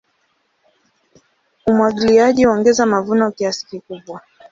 Umwagiliaji huongeza mavuno kiasi kikubwa.